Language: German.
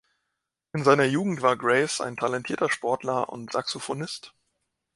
In seiner Jugend war Graves ein talentierter Sportler und Saxophonist.